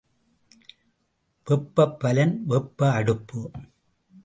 வெப்பப்பலன் வெப்ப அடுப்பு.